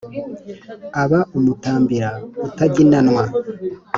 Aba umutambira utaginanwa.